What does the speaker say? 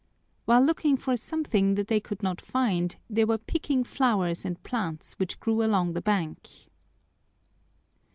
While looking for something that they could not find they were picking flowers and plants which grew along the bank.